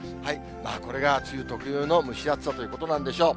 これが梅雨特有の蒸し暑さということなんでしょう。